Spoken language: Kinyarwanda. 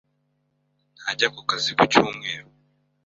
ntajya ku kazi ku cyumweru.